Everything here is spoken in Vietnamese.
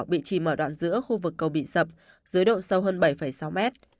bị chìm mở đoạn giữa khu vực cầu bị sập dưới độ sâu hơn bảy sáu mét